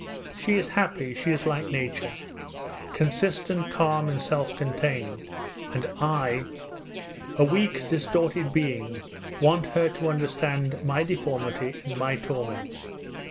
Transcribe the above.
She is happy, she is like nature: consistent, calm, and self contained; and I, a weak distorted being, want her to understand my deformity and my torments!